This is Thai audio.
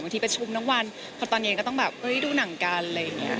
บางทีไปชมทั้งวันเพราะตอนเย็นก็ต้องแบบเฮ้ยดูหนังกันอะไรอย่างนี้